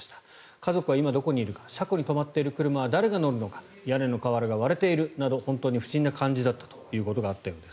家族は今どこにいるか車庫に止まっている車は誰が乗るのか屋根の瓦が割れているなど本当に不審な感じだったということがあったようです。